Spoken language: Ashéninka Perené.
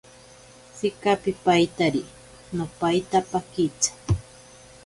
Tsika pipaitari. No paita pakitsa.